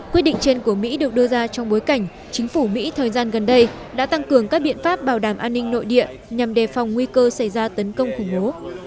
quyết định trên của mỹ được đưa ra trong bối cảnh chính phủ mỹ thời gian gần đây đã tăng cường các biện pháp bảo đảm an ninh nội địa nhằm đề phòng nguy cơ xảy ra tấn công khủng bố